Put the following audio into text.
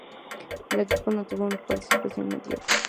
Equipo que tuvo una participación mediocre.